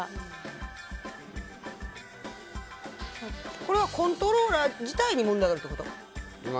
これはコントローラー自体に問題があるっていうこと？